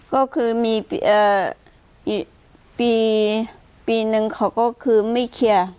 ก็คือมีอีกปีนึงเขาก็คือไม่เคลียร์